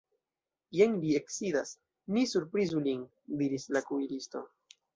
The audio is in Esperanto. Jen li eksidas, ni surprizu lin, diris la kuiristo.